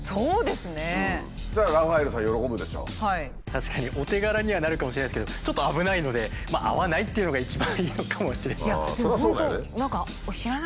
確かにお手柄にはなるかもしれないですけどちょっと危ないので会わないというのが一番いいのかもしれない。